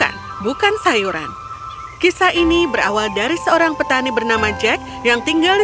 tapi kita akan membahasnya nanti